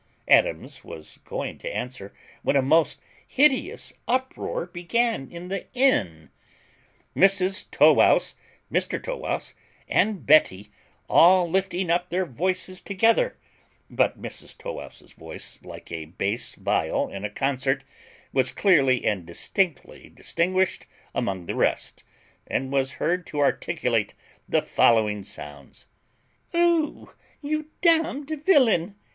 Adams was going to answer, when a most hideous uproar began in the inn. Mrs Tow wouse, Mr Tow wouse, and Betty, all lifting up their voices together; but Mrs Tow wouse's voice, like a bass viol in a concert, was clearly and distinctly distinguished among the rest, and was heard to articulate the following sounds: "O you damn'd villain!